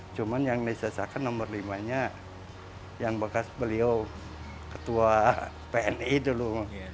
cuma yang diselesaikan nomor lima nya yang bekas beliau ketua pni dulu